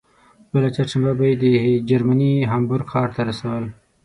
بله چهارشنبه به یې د جرمني هامبورګ ښار ته رسول.